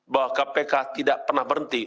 bahwa kpk tidak pernah berhenti